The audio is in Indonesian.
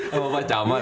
sama pak camat